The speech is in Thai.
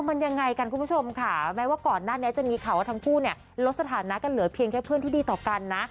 มันยังไงกันคุณผู้ชมค่ะแม้ว่าก่อนหน้านี้จะมีข่าวว่าทั้งคู่เนี่ยลดสถานะกันเหลือเพียงแค่เพื่อนที่ดีต่อกันนะ